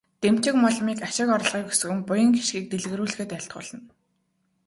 Дэмчигмоломыг ашиг орлогыг өсгөн, буян хишгийг дэлгэрүүлэхэд айлтгуулна.